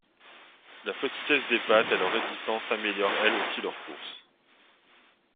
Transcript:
La petitesse des pattes et leur résistance améliorent elles aussi leur course.